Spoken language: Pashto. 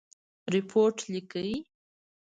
رپوټ لیکئ؟